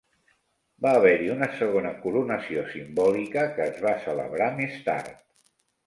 Va haver-hi una segona coronació simbòlica que es va celebrar més tard.